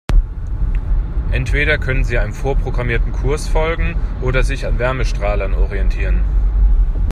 Entweder können sie einem vorprogrammierten Kurs folgen oder sich an Wärmestrahlern orientieren.